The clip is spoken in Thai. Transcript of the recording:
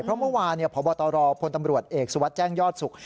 เพราะเมื่อวานพบตรพลตำรวจเอกสุวัสดิ์แจ้งยอดสุข